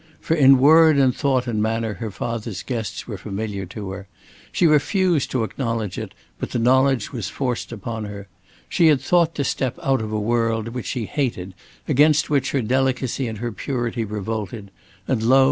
For in word and thought and manner her father's guests were familiar to her. She refused to acknowledge it, but the knowledge was forced upon her. She had thought to step out of a world which she hated, against which her delicacy and her purity revolted, and lo!